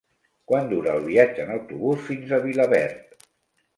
Quant dura el viatge en autobús fins a Vilaverd?